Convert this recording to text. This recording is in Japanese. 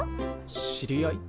知り合い？